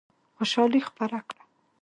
خوشالي خپره کړه.